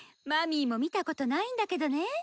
マミーも見たことないんだけどね。